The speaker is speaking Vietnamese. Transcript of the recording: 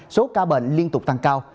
số ca bệnh liên tục tăng cao